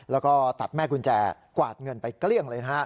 แล้วก็ตัดแม่กุญแจกวาดเงินไปเกลี้ยงเลยนะฮะ